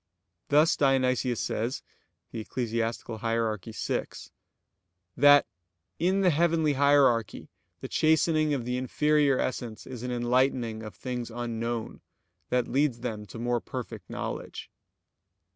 Thus Dionysius says (Eccl. Hier. vi): that "in the heavenly hierarchy the chastening of the inferior essence is an enlightening of things unknown, that leads them to more perfect knowledge."